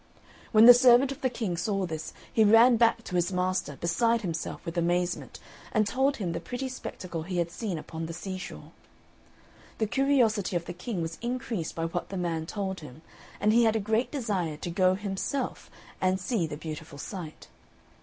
When the servant of the King saw this, he ran back to his master, beside himself with amazement, and told him the pretty spectacle he had seen upon the seashore. The curiosity of the King was increased by what the man told him, and he had a great desire to go himself and see the beautiful sight.